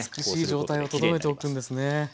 美しい状態をとどめておくんですね。